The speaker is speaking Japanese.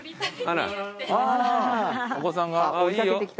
いいよ。